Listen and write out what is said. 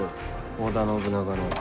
織田信長の。